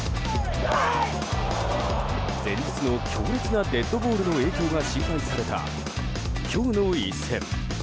前日の強烈なデッドボールの影響が心配された、今日の一戦。